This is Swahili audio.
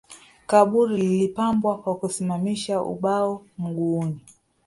Kaburi lilipambwa kwa kusimamisha ubao mguuni